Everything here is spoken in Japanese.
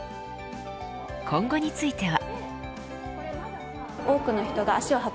今後については。